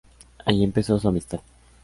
Ahí empezó su amistad.